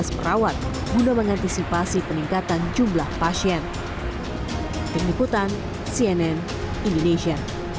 perawat guna mengantisipasi peningkatan jumlah pasien peniputan cnn indonesia